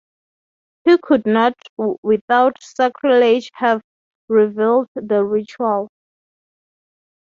He could not without sacrilege have revealed the ritual.